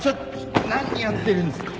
何やってるんすか